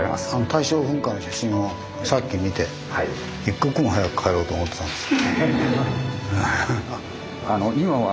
大正噴火の写真をさっき見て一刻も早く帰ろうと思ってたんです。